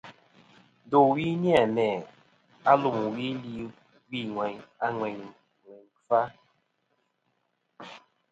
Ndowi ni-a mæ lumwi li wi ŋweyna ŋweyn ŋweyn kfa.